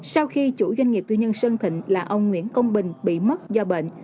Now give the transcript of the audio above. sau khi chủ doanh nghiệp tư nhân sơn thịnh là ông nguyễn công bình bị mất do bệnh